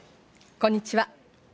こんにちは。